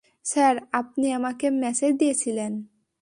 Sir, আপনি আমাকে message দিয়েছিলেন?